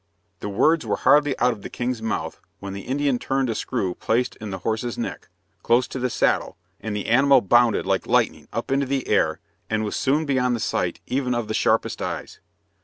The words were hardly out of the king's mouth when the Indian turned a screw placed in the horse's neck, close to the saddle, and the animal bounded like lightning up into the air, and was soon beyond the sight even of the sharpest eyes.